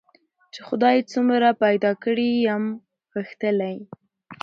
چي خدای څومره پیدا کړی یم غښتلی